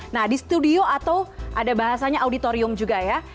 nah di studio atau ada bahasanya auditorium juga ya